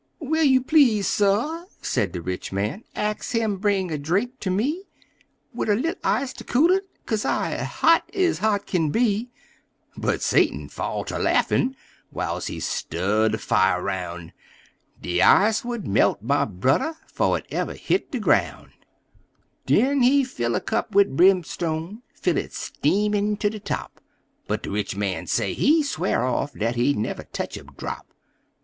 "Will you please, suh," say de rich man, "ax him bring a drink ter me, Wid a li'l' ice ter cool it? Kaze I hot ez hot kin be!" But Satan fall ter laughin', whilst he stir de fire roun': "De ice would melt, my brother, 'fo' it ever hit de groun'!" Den he fill a cup wid brimstone fill it steamin' ter de top; But de rich man say he swear off, dat he never tech a drop!